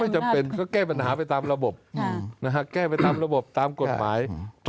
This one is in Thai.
จำเป็นก็แก้ปัญหาไปตามระบบแก้ไปตามระบบตามกฎหมาย